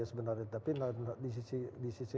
sebenarnya tapi di sisi